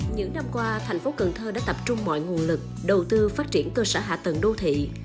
những năm qua thành phố cần thơ đã tập trung mọi nguồn lực đầu tư phát triển cơ sở hạ tầng đô thị